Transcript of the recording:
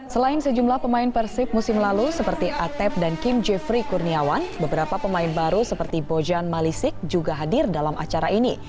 selain sejumlah pemain persib musim lalu seperti atep dan kim jeffrey kurniawan beberapa pemain baru seperti bojan malisik juga hadir dalam acara ini